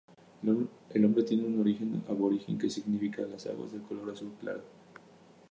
El nombre tiene un origen aborigen que significa las "aguas de color azul claro".